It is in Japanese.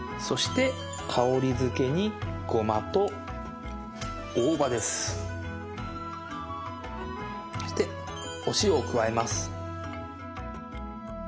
そしてお塩を加えます。